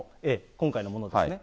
今回のものですね。